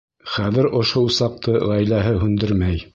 Хәҙер ошо усаҡты ғаиләһе һүндермәй.